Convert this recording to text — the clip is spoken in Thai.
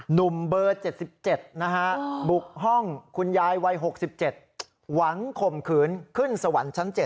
หนุ่มเบอร์๗๗นะฮะบุกห้องคุณยายวัย๖๗หวังข่มขืนขึ้นสวรรค์ชั้น๗